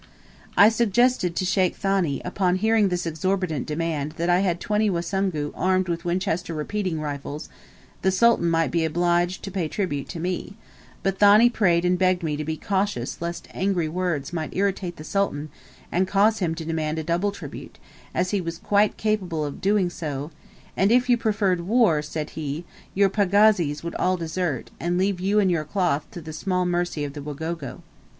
I suggested to Sheikh Thani, upon hearing this exorbitant demand, that had I twenty Wasungu* armed with Winchester repeating rifles, the Sultan might be obliged to pay tribute to me; but Thani prayed and begged me to be cautious lest angry words might irritate the Sultan and cause him to demand a double tribute, as he was quite capable of doing so; "and if you preferred war," said he, "your pagazis would all desert, and leave you and your cloth to the small mercy of the Wagogo."